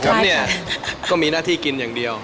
ผมเนี่ยก็มีหน้าที่กินอย่างเดียว